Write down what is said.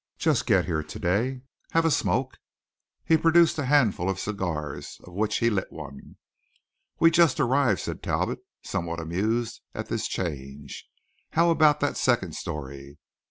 Just get here to day? Have a smoke?" He produced a handful of cigars, of which he lit one. "We just arrived," said Talbot, somewhat amused at this change. "How about that second story?"